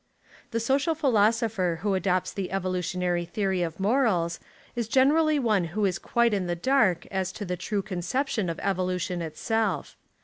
The social philosopher who adopts the evo lutionary theory of morals is generally one who is quite in the dark as to the true concep tion of evolution itself.